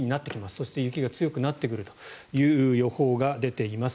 そして雪が強くなってくるという予報が出ています。